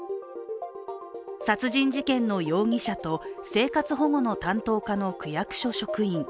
殺人事件の容疑者と生活保護の担当課の区役所職員。